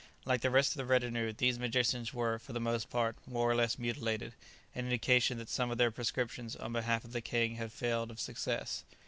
Like the rest of the retinue, these magicians were, for the most part, more or less mutilated, an indication that some of their prescriptions on behalf of the king had failed of success.